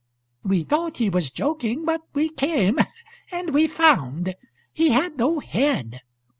We thought he was joking. But we came and we found. He had no head.